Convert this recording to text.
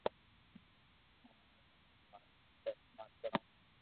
او ني ھون ھين مارو پيتا استمعال ڪرو ھون